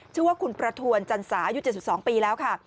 ชื่อว่าคุณประทวนจันสาอายุ๗๒ปีแล้วค่ะ